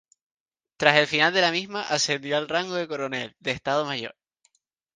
Tras el final de la misma, ascendió al rango de coronel de Estado Mayor.